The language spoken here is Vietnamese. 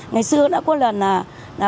ngày xưa đã có lần